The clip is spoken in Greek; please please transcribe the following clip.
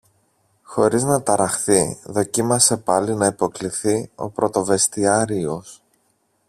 Χωρίς να ταραχθεί, δοκίμασε πάλι να υποκλιθεί ο πρωτοβεστιάριος.